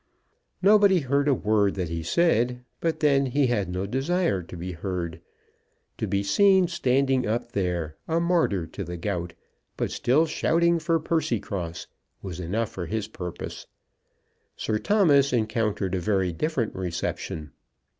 Nobody heard a word that he said; but then he had no desire to be heard. To be seen standing up there, a martyr to the gout, but still shouting for Percycross, was enough for his purpose. Sir Thomas encountered a very different reception.